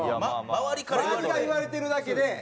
周りから言われてるだけで。